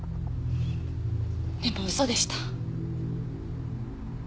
でも嘘でした。